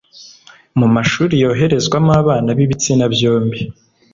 Mu mashuri yoherezwamo abana b’ibitsina byombi